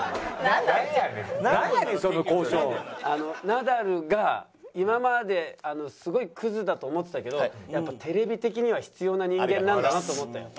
ナダルが今まですごいクズだと思ってたけどやっぱテレビ的には必要な人間なんだなと思ったよ。